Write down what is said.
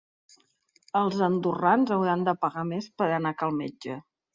Els andorrans hauran de pagar més per anar a cal metge.